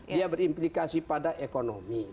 dia berimplikasi pada ekonomi